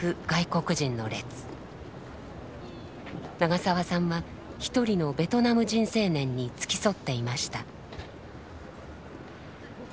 長澤さんは一人のベトナム人青年に付き添っていました。